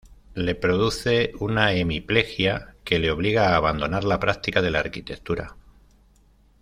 Le produce una hemiplejia que le obliga a abandonar la práctica de la arquitectura.